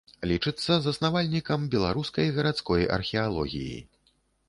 Лічыцца заснавальнікам беларускай гарадской археалогіі.